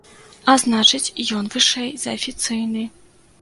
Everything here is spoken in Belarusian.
А значыць, ён вышэй за афіцыйны.